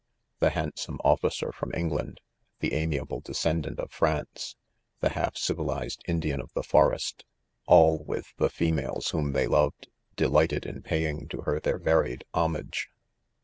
The' handsome officer from England, the amiable descendant of France, the half civilized Indian of the forest f — all,, with the females whom they lo^ed, delighted in paying to her, their varied homage.